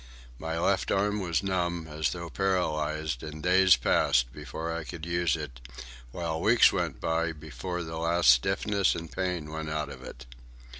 My left arm was numb, as though paralysed, and days passed before I could use it, while weeks went by before the last stiffness and pain went out of it.